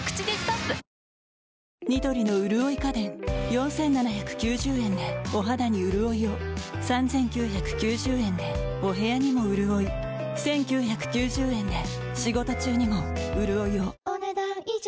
４，７９０円でお肌にうるおいを３，９９０円でお部屋にもうるおい１，９９０円で仕事中にもうるおいをお、ねだん以上。